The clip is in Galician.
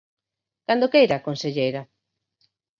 Cando queira, conselleira.